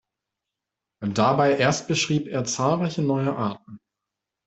Dabei erstbeschrieb er zahlreiche neue Arten.